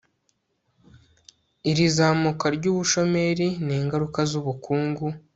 iri zamuka ry'ubushomeri ni ingaruka z'ubukungu